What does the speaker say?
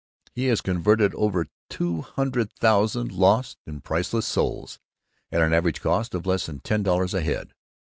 He has converted over two hundred thousand lost and priceless souls at an average cost of less than ten dollars a head."